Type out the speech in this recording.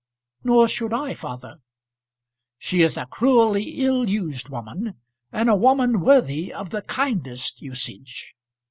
"Nor should I, father." "She is a cruelly ill used woman, and a woman worthy of the kindest usage.